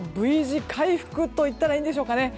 Ｖ字回復と言ったらいいんでしょうかね。